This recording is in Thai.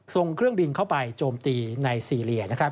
ส่งเครื่องบินเข้าไปโจมตีในซีเรีย